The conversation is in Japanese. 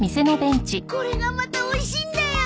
これがまたおいしいんだよ。